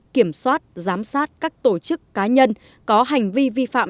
kiểm soát giám sát các tổ chức cá nhân có hành vi vi phạm